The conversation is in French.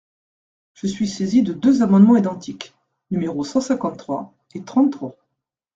Je suis saisi de deux amendements identiques, numéros cent cinquante-trois et trente-trois.